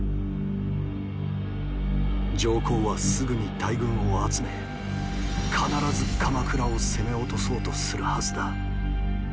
上皇はすぐに大軍を集め必ず鎌倉を攻め落とそうとするはずだ。